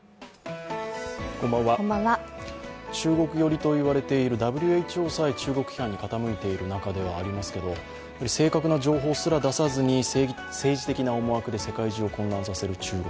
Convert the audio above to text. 中国寄りと言われているＷＨＯさえ中国批判に傾いている中ではありますけれども、正確な情報すら出さずに政治的な思惑で世界中を混乱させる中国。